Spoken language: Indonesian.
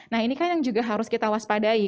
nah ini kan yang juga harus kita waspadai